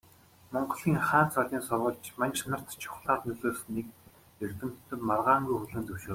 Монголын хаан цолын сурвалж манж нарт чухлаар нөлөөлснийг эрдэмтэд маргаангүй хүлээн зөвшөөрдөг.